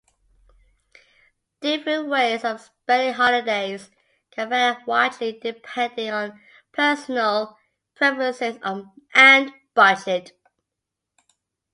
Different ways of spending holidays can vary widely depending on personal preferences and budget.